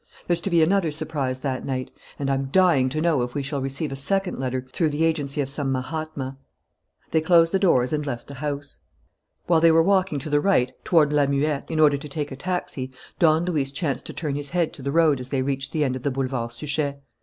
There's to be another surprise that night; and I'm dying to know if we shall receive a second letter through the agency of some Mahatma." They closed the doors and left the house. While they were walking to the right, toward La Muette, in order to take a taxi, Don Luis chanced to turn his head to the road as they reached the end of the Boulevard Suchet.